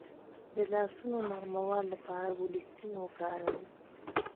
د لاسونو د نرموالي لپاره ګلسرین وکاروئ